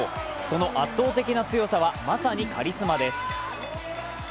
その圧倒的な強さはまさにカリスマです。